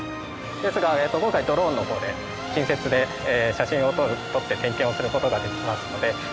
ですが今回ドローンの方で近接で写真を撮って点検をする事ができますので。